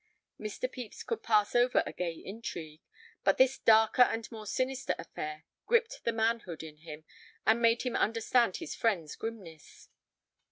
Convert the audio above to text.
Mr. Pepys could pass over a gay intrigue, but this darker and more sinister affair gripped the manhood in him, and made him understand his friend's grimness.